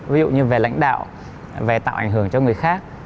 ví dụ như về lãnh đạo về tạo ảnh hưởng cho người khác